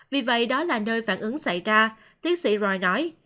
vì vậy đó là nơi phản ứng xảy ra tiến sĩ rồi nói